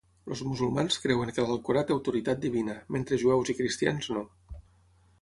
Els musulmans creuen que l'Alcorà té autoritat divina, mentre jueus i cristians no.